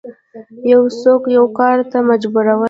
یو څوک یو کار ته مجبورول